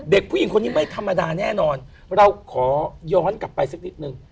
เด็กผู้หญิงคนนี้ไม่ธรรมดาแน่นอนเราขอย้อนกลับไปสักนิดนึง